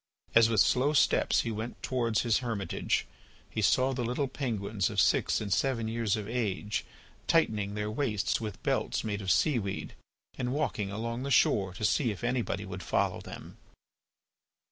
As with slow steps he went towards his hermitage he saw the little penguins of six and seven years of age tightening their waists with belts made of sea weed and walking along the shore to see if anybody would follow them.